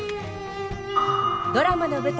ドラマの舞台